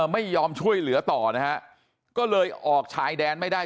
ไม่ยอมช่วยเหลือต่อนะฮะก็เลยออกชายแดนไม่ได้